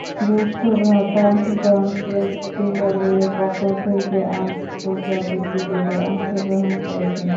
জ্যেষ্ঠ ভ্রাতা John Rennie জিম্বাবুয়ের পক্ষে আন্তর্জাতিক ক্রিকেটে অংশগ্রহণ করেছেন।